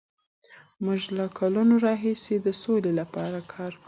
موږ له کلونو راهیسې د سولې لپاره کار کوو.